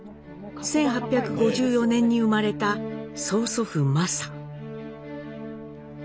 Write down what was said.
１８５４年に生まれた曽祖父・應。